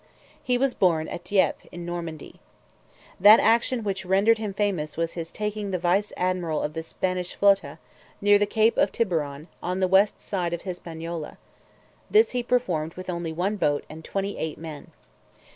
He was born at Dieppe in Normandy. That action which rendered him famous was his taking the vice admiral of the Spanish flota, near the Cape of Tiburon, on the west side of Hispaniola; this he performed with only one boat, and twenty eight men.